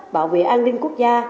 bảo vệ an ninh quốc gia